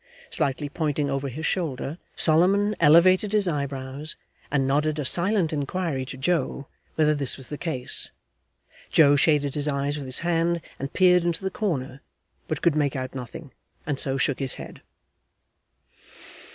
Slightly pointing over his shoulder, Solomon elevated his eyebrows and nodded a silent inquiry to Joe whether this was the case. Joe shaded his eyes with his hand and peered into the corner, but could make out nothing, and so shook his head.